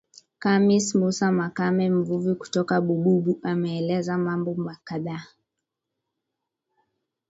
Khamis Mussa Makame Mvuvi kutoka Bububu ameelezea mambo kadhaa